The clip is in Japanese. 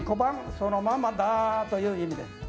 そのままだという意味です。